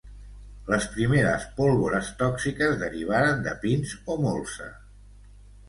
Les primeres pólvores tòxiques derivaren de pins o molsa.